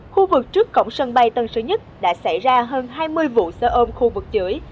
khu vực trước cổng sân bay tân sơn nhất đã xảy ra hơn hai mươi vụ xe ôm khu vực chữa